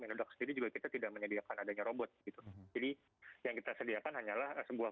medok sendiri juga kita tidak menyediakan adanya robot gitu jadi yang kita sediakan hanyalah sebuah